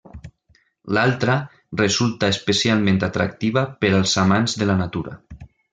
L'altra, resulta especialment atractiva per als amants de la natura.